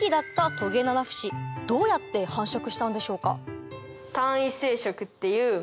トゲナナフシどうやって繁殖したんでしょうか？